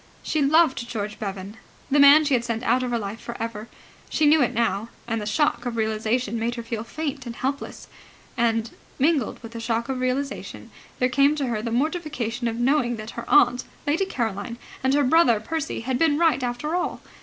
She loved George Bevan, the man she had sent out of her life for ever. She knew it now, and the shock of realization made her feel faint and helpless. And, mingled with the shock of realization, there came to her the mortification of knowing that her aunt, Lady Caroline, and her brother, Percy, had been right after all.